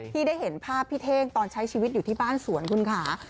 ที่ได้เห็นภาพพี่เท่งตอนใช้ชีวิตอยู่ที่บ้านสวนคุณค่ะ